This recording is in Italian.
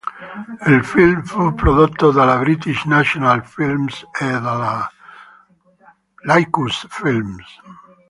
Il film fu prodotto dalla British National Films e dalla Religious Films.